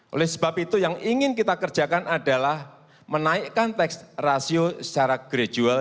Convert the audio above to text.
oleh sebab itu yang ingin kita kerjakan adalah menaikkan tax ratio secara gradual